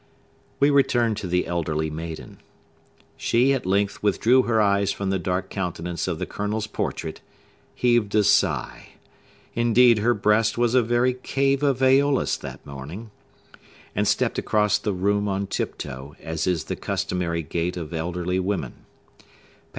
We return to the elderly maiden. She at length withdrew her eyes from the dark countenance of the Colonel's portrait, heaved a sigh,—indeed, her breast was a very cave of Aolus that morning,—and stept across the room on tiptoe, as is the customary gait of elderly women.